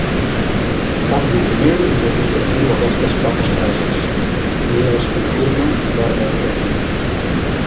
Cap document no contradiu aquestes poques frases, ni les confirma verdaderament.